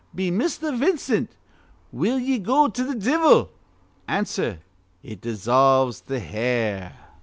Be Misther Vincent: 'Will ye go to th' divvle?' Answer: 'It dissolves th' hair.'